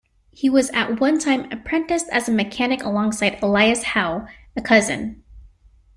He was at one time apprenticed as a mechanic alongside Elias Howe, a cousin.